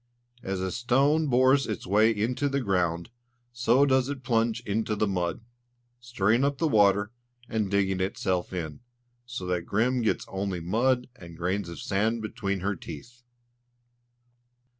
As a stone bores its way into the ground, so does it plunge into the mud, stirring up the water, and digging itself in, so that Grim gets only mud and grains of sand between her teeth.